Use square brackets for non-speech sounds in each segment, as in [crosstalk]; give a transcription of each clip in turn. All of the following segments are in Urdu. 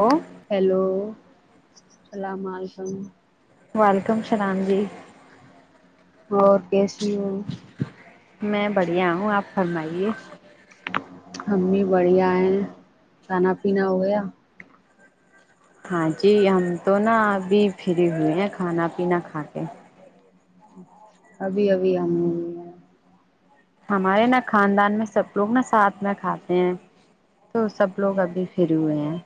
ہ [unintelligible] ہیلو اللام علیکم [unintelligible] ولکم سلام جی اور کیس [unintelligible] جیاں [unintelligible] میں بڑھیا ہوں آپ [unintelligible] فرمائیے [unintelligible] امی بڑھیا ہیں کھانا پینا ہو گیا ہاں جی ہم تو نا ابھی فری ہوئے ہیں کھانا پینا تاکے [unintelligible] ابھی ابھی ہم بھی ہے [unintelligible] ہمارے نا خاندان میں سب لوگ نا ساتھ میں کھاتے ہیں تو سب لوگ ابھی فھر ہوئے ہیں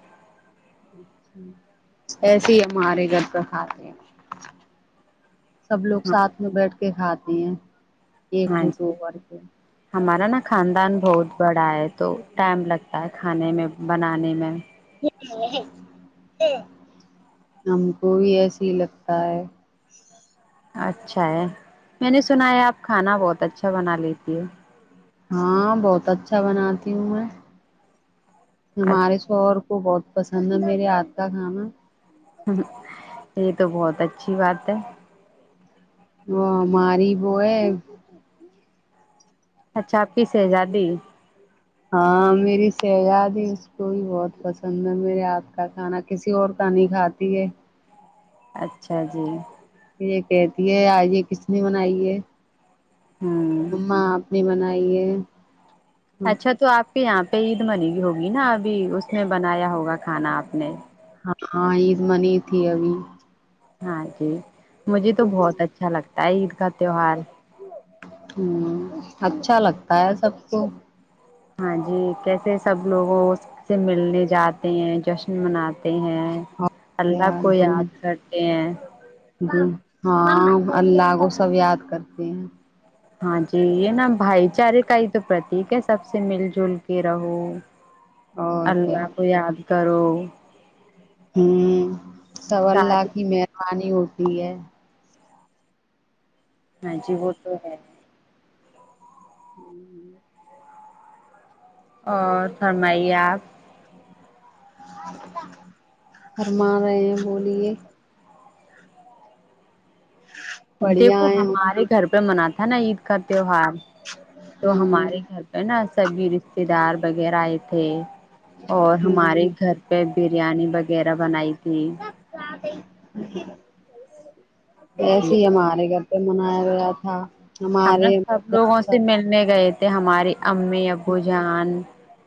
ایسے ہی ہمارے گھر پر کھاتے ہیں [unintelligible] سب لوگ ہاں ساتھ میں بیٹھ کے ہاتھ ج [unintelligible] ایک ہاں جٹو جی کر کے [unintelligible] ہمارا نا خاندان بہت بڑا ہے تو ٹائم لگتا ہے کھانے میں بنانے میں ہم کو بھی ایسے ہی لگتا ہے [unintelligible] اچھا ہے میں نے سنا ہے آپ کھانا بہت اچھا بنا لیتی ہو ہاں بہت اچھا بناتی ہوں میں ہمارے اچھا شور کو بہت پسند ہے میرے ہاتھ کا کھانا [unintelligible] یہ تو بہت اچھی بات ہے ہ ماری بو ہے اچھا آپیس ہےزادی ہاں میری سیاد ہی اس کو ہی بہت پسند ہے میرے ہاتھ کا کھانا کسی اور کا نہیں کھاتی ہے اچھا جی [unintelligible] یہ کہتی ہے آج یہ کس نے بنائی ہے ہوں [unintelligible] اپنی بنائیے [unintelligible] اچھا تو آپ [unintelligible] کہ یہاں پہ عید منی گی ہوگی نا ابھی اس میں بنایا ہوگا کھانا آپ نے [unintelligible] ہاں ہاں عید منی تھی ابھی ہاں جی [unintelligible] مجھے تو بہت اچھا لگتا ہے عید کا تہوار [unintelligible] ہ اچھا لگتا ہے سب کو [unintelligible] ہاں جی کیسے سب لوگ اس سے ملنے جاتے ہیں جشن مناتے ہیں اور اللہ کیا کو یاد کرتے ہیں [unintelligible] ہاں اللہ کو سب یاد کرتے ہیں [unintelligible] ہاں جی یہ نا بھائی چارے کا ہی تو پرتییک ہے سب سے مل جل کے رہو اور اللہ کو یاد کرو ہ [unintelligible] ہ سو اللہ کی مہربانی ہوتی ھ ہے [unintelligible] ہاں جی وہ تو ہے [unintelligible] ہوں [unintelligible] اور فرمائیے آپ گرما رہے ہیں بولیے [unintelligible] بڑھیا دیکھو ہے ہمارے گھر پہ مناتے ہے نا عید کرتے ہو ہا [unintelligible] تو ہ ہمارے گھر پہ نا [unintelligible] سبھی رشتے دار وغیرہ آئے تھے [unintelligible] اور ہ ہماریے گھر پہ بریانی وغیرہ بنائی تھی جی وسے ہی ہم ہمارے گھر پہ منایا گیا تھا [unintelligible] ہم نے سب لوگوں سب سے ملنے گئے تھے [unintelligible] ہمارے [unintelligible] امی ابو جان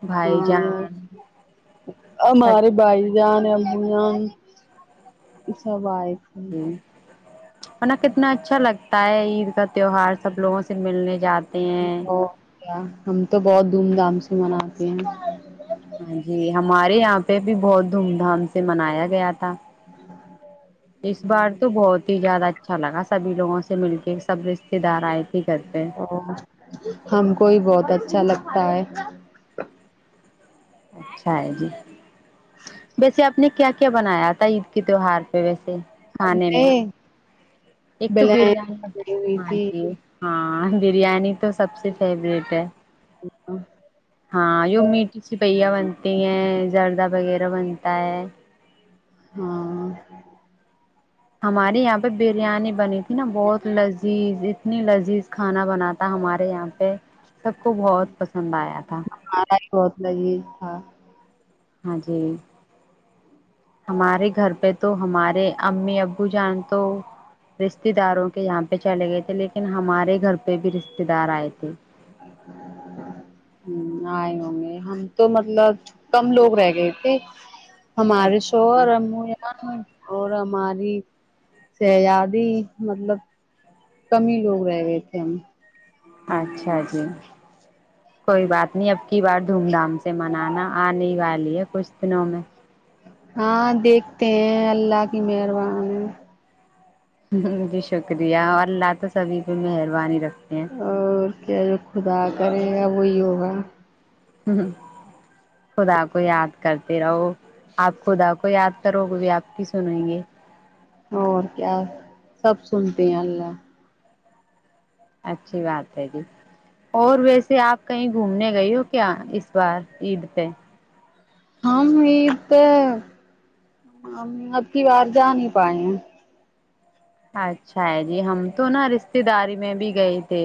بھائی ہاں جان س [unintelligible] بیا سب آئے [unintelligible] ہوں [unintelligible] ن کتنا اچھا لگتا ہے عید کا تیوہار سب لوگوں سے ملنے جاتا اوک [unintelligible] ہم تو بہت دھوم دھام سے مناتے ہیں [unintelligible] ہاں جی ہمارے یہاں پہ بھی بہت دھوم دھام سے منایا گیا تھا اس بار تو بہت ہی زیادہ اچھا لگا [unintelligible] سبھی لوگوں سے مل کے سب رشتے دار آئے تھ ا ہم کو ہی بہت اچھا لگتا ت ہے اچھا ہے جی ویسے آپ نے کیا کیا بنایا تھا عید کے تہوہار پہ ویسے ہم کھانے نے میں ایک تو بلین بریانی بنائی ہوئی ہاں تھی جی ہاں ہاں بریانی تو سب سے فیورٹ ہے ہاں جو میٹھی سپہیا بن پٹگ ہے زردہ وغیرہ بنتا ہے ہاں ہمارے یہاں پہ بریانی بنی تھی نا بہت لذیذ اتنی لذیذ کھانا بناات تھا ہمارے یہاں پہ پ سب کو بہت پسند آیا تھا لگی تھا ہاں جی ہمارے گھر پہ تو ہمارے امی ابو جان تو رشتے داروں کے یہاں پہ چلے گئے تھے لیکن ہمارے گھر پہ بھی رشتے دار آئے تھے ہ آئے ہوں گے ہم تو مطلب کم لوگ رہ گئے تھے ہمارے اچھا شو جی اور ہم اور ہماری شہزادی مطلب کمی ہی لوگ رہ گئے تھے ہم اچھا جی کوئی بات نہیں اب کی بار دھوم دھام سے منانا آنے والی ہے کچھ دنوں میں ہاں دیکھتے ہیں اللہ کی مہربانی جی شکریہ اور اللہ تو سبھی پہ مہربانی رکھ اور کیا جو خدا کرے گا وہیوگا ہ خدا کو یاد کرتے رہو آپ خدا کو یاد کرو گے بھی آپ کی سنیں گے اور کیا سب سنتے ہیں اللہ اچھی بات ہے جی اور ویسے آپ کہیں گھومنے گئی ہو کیا اس بار عید پہ ہم یہ تو ہم اب کی بار جا نہیں پائے ہیں اچھا ہے جی ہم تو نا رشتے داری میں بھی گئے تھے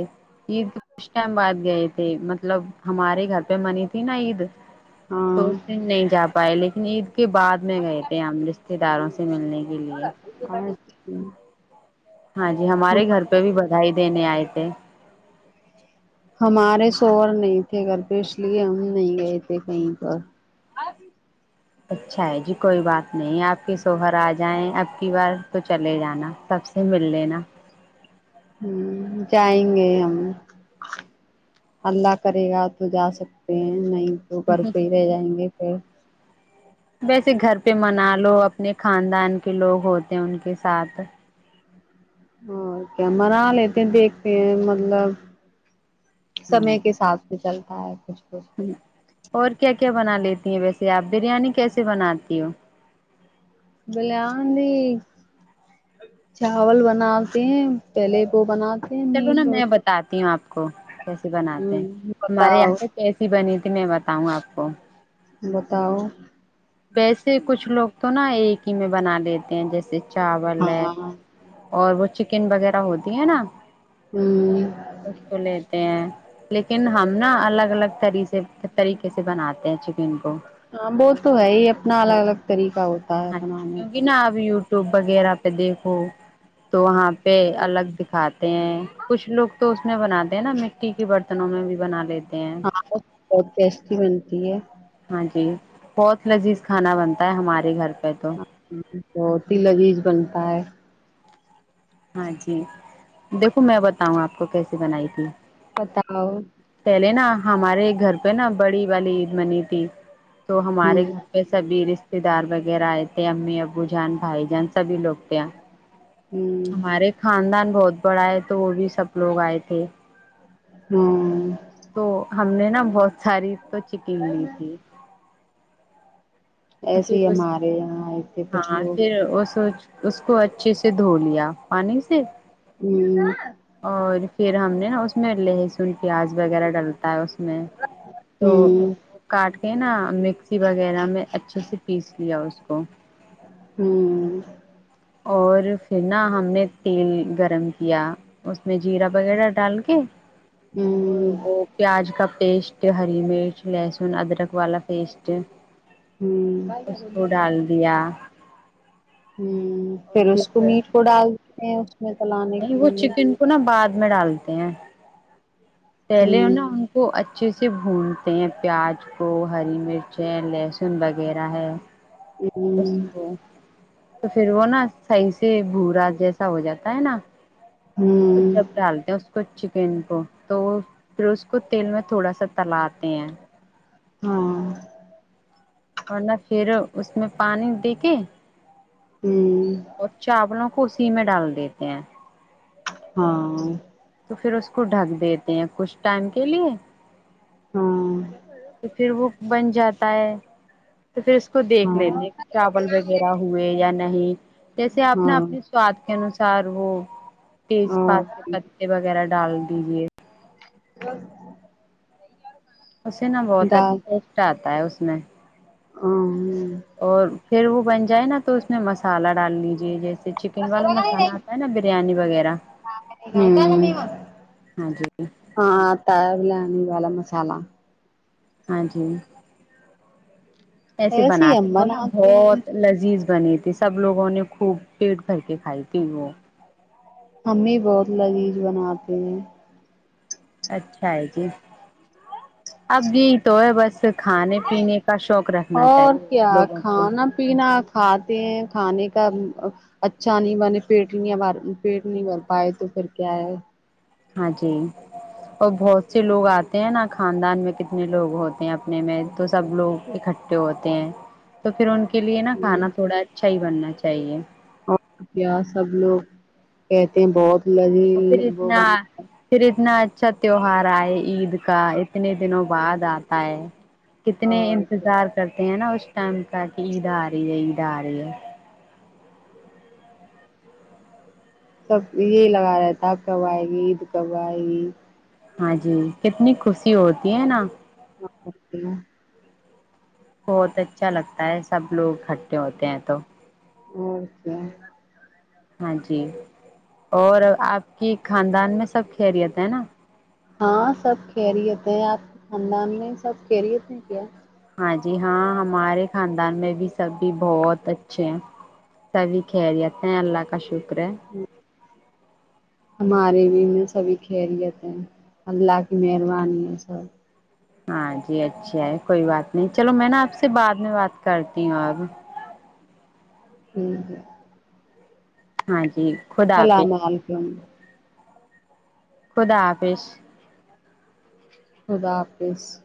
عید کچھ ٹائم بعد گئے تھے مطلب ہمارے گھر پہ منی تھی نا عید تو اس ہاں دن نہیں جا پائے لے نید بد میں گئے تھے ہم ج رشتے داروں سے ملنے کے لیے اچ ہ ہاں جی ہمارے گھر پہ بھی بدھائی انے آئیتے ہمارے شور نہیں تھے گھر پہ اس لیے ہم نہیں گئے تھے کہیں پر اچھا ہے جی کوئی بات نہیں آپ کے سوہر آ جائیں اب کی بار تو چلے جانا تب سے مل لینا ہ جائیں گے ہم اللہ کرے گا تو جا سکتے ہیں نہیں تو کر کے ہی رہ جائیں گے پھر ویسے گھر پہ منا لو اپنے خاندان کے لوگ ہوتے ہیں ان کے ساتھ اور کیا منا لیتے دیکھتے ہیں مطلب سمے کے ساتھ چلتا ہے کچھ کچھ ہوں اور کیا کیا بنا لیتی ہیں ویسے آپ بریانی کیسے بناتی ہو بل آند چاول بناتے ہیں پہلے وہ بنات چلو نا میں بتاتی ہوں آپ کو کو کیسیے بناتے ہیں ہمارے بتاؤ یہاں پہ کیسی بنی ت کت میں بتاؤںا آپ کو بتاؤ ویسے کچھ لوگ تو نا ایک ہی میں بنا لیتے ہیں جیسے ج چاول ہے ہاں اور وہ چکن وغیرہ ہوتی ہے نا ہوں اس کو لیتے ہیں لیکن ہم نا الگ الگ طری طریقے سے بناتے ہیں چکن کو ہاں بوت تو ہے ہی اپنا الگ الگ ہاں طریقہ ہوتا ہے بنانے کا وب وغیرہ پہ دیکھو تو وہاں پہ الگ دکھاتے ہیں کچھ لوگ تو اس میں بناتے ہیں نا مٹی کے برتنوں میں بھی بنا لیتے ہیں ہاں بہت ٹیسٹی بنتی ہے ہاں جی بہت لذیذ کھانا بنتا ہے ہمارے گھر پہ تو ہ بتی لذیذ بنتا ہے ہاں جی دیکھو میں بتاؤں آپ کو کیسی بنائی تھی بتاؤ پہلے نا ہمارے گھر پہ نا بڑی والی عید منی تھی تو ہمارے ہوں گھر پہ سبھی رشتے رشتے دار وغیرہ آئے تھے امی ابو جان بھائی جان سبھی لوگ تھے یہ ہ ہمارے خاندان بہت پڑھ آئے تو وہ بھی سب لوگ آئے تھے ہاں تو ہم نے نا بہت ساری تو سکم لی تھی ایسے ہی پھر اس ہمارے یہاں ا تھے کچھ ہاں لوگ پھر اس اس کو اچھے سے دھو لیا پانی سے ہوں اور پھر ہم نے نا اس میں لہسن پیاز وغیرہ ڈالتا ہے میں تو ہوں کاٹ [unintelligible] نا مکسی وغیرہ میںچ [unintelligible] جچ [unintelligible] پیس لیا اس کو [unintelligible] ہوں اور پھر نا ہم نے تیل گرم کیا اس [unintelligible] میں جیرا وغیرہ ڈال کے ہوں وہ پیاز ک [unintelligible] پٹیسٹ ہری مرچ لہسن ادرک والا پیسٹ ہوں [unintelligible] اس کو ڈال دیا [unintelligible] ہوں پھر اس کو میٹ کو ڈال [unintelligible] ا [unintelligible] نہیں وہ چکن کو نا بعد میں ڈالتے ہیں [unintelligible] پہلے ہو ہوں نا ان کو اچا اچھے سے بھونتے ہیں پیاز کو ہری مرچ ہے لہسن وغیرہ ہے [unintelligible] ہوں اچا تو پھر وہ نا [unintelligible] صحیح سے بھو راات جیسا ہو جاتا ہے نا ہوں جب ڈالتے ہیں اس کو اچ [unintelligible] ان کو تو پھر اس کو تیل میں تھوڑا سا تلا [unintelligible] د ہیں [unintelligible] ہاں [unintelligible] ورنہ پھر اس میں پانی دے کے ہوں اور چاولوں کوسی میں ڈال د دیتے ہیں [unintelligible] ہاں [unintelligible] تو پھر اس کو ڈھک دیتے ہیں کچھ ٹائم کے لیے ہاں [unintelligible] تو پھر وہ بن جاتا ہے تو پھر اس کو دیکھ لیتے چاول ہاں وغیرہ ہوئے یا نہیں [unintelligible] جیسے آپ نے ہاں اپنے سواد کے انوسار وہ تیز پ اور پتے وغیرہ ڈال دیجے ب [unintelligible] اسے نا بہت اچھا ٹیسٹ آ تھا ہوتا ہے اس میں ہاں اور پھر وہ بن جائے نا تو اس میں مسالہ ڈال لیجے جیسے چکن والا مسالہ آتا ہے نا بریانی وغیرہ ہو ہاں جی ہاں تلا پنیر والا مصالحہ ہاں جی ایسے ہی بناتے ہم ہو نا بناتے ہیں بہت لذیذ بنی تھی سب لوگوں نے خوب پیٹ بھر کے کھائی تھی وہ امی بہت لذیذ بناتی ہیں اچھا ہے جی اب یہی تو ہے بس کھانے پینے کا شوق رکھنا اور چاہیے کیا لوگوں کو کھانا پینا کھاتے ہیں کھانے کے اچھا نہیں بنے پیٹ نہیں پیٹ نہیں بھر پائے تو پھر کیا ہے ہاں جی اور بہت سے لوگ آتے ہیں نا خاندان میں کتنے لوگ ہوتے ہیں اپنے میں تو سب لوگ اکٹھے ہوتے ہیں تو پھر ان کے کے لیے نا کانا تھوڑا اچھا ہی بننا چاہیے اور کیا سب لوگ کہتے ہیں بہت اور پھر لذیذ وہ اتنا بنا ہے پھر اتنا اچھا تیوار آئے عید کا اتنے دنوں بعد آتا ہے کتنے اور کیا انتظار کرتے ہیں نا اس ٹائم کا عید آ رہی ہے عید آ رہی ہے سب یہی لگا رہتا اب کب آئے گی عید کب آئے گی ہاں جی کتنی خوشی ہوتی ہے نا کیا بہت اچھا لگتا ہے سب لوگ اکٹھے ہوتے ہیں تو اور کیا ہاں جی اور آپ کی خاندان میں سب خیریت ہے نا ہاں سب خیریت ہیں آپ کے خاندان میں سب خیریت ہیں کیا ہاں جی ہاں ہمارے خاندان میں بھی سبھی بہت اچھے ہیں سبھی خیریت ہیں اللہ کا شکر کرے ہمارے بھی میں سبھی خیریت ہیں اللہ کی مہربانی ہے سب ہاں جی اچھا ہے کوئی بات نہیں چلو میں نا آپ سے بعد میں بات کرتی ہوں اب ہوں ہوں جی خدا السلام حافظ علیکم خدا حافظ خدا حافظ